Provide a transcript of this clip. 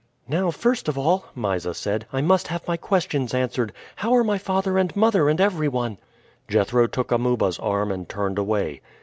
"Now, first of all," Mysa said, "I must have my questions answered. How are my father and mother and everyone?" Jethro took Amuba's arm and turned away.